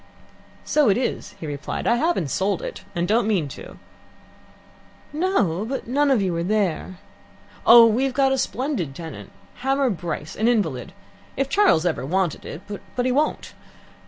"So it is," he replied. "I haven't sold it, and don't mean to." "No; but none of you are there." "Oh, we've got a splendid tenant Hamar Bryce, an invalid. If Charles ever wanted it but he won't.